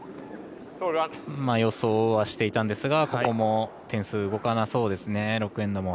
予想はしていたんですがここも点数、動かなそうです。